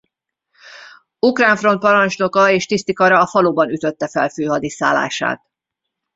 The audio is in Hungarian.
Ukrán Front parancsnoka és tiszti kara a faluban ütötte fel főhadiszállását.